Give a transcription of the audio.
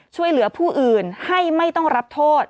ช่วยเหลือผู้อื่นให้ไม่ต้องรับโทษ